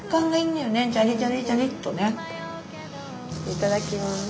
いただきます。